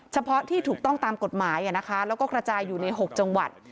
เฉพาะที่ถูกต้องตามกฎหมายแล้วก็กระจายอยู่ใน๖จังหวัด